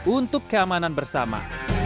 untuk keamanan bersama